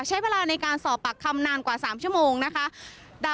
ใช้เวลาในการสอบปากคำนานกว่า๓ชั่วโมงนะคะ